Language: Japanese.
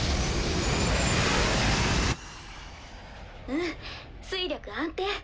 うん推力安定。